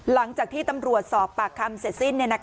หลังจากที่ตำรวจสอบปากคำเสร็จสิ้น